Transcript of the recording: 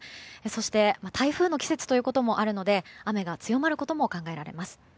そして台風の季節ということもあるので雨が強まることも考えられます。